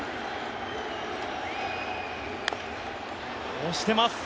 押してます。